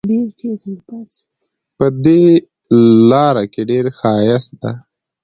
په دې لاره کې ډېر ښایست ده